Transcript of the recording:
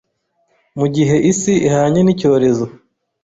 Mu gihe isi ihanye n’icyorezo